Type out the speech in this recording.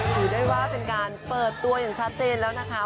ถือได้ว่าเป็นการเปิดตัวอย่างชัดเจนแล้วนะคะ